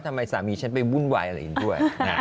ทำไมสามีฉันไปวุ่นวายอะไรอีกด้วย